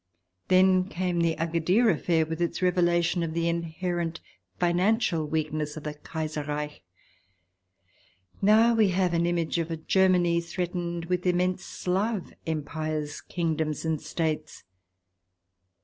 Then came the Agadir affair with its revelation of the inherent financial weakness of the Kaiserreich. Now we have the image of a Germany threatened with immense Slav empires, kingdoms, and states.